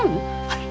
はい。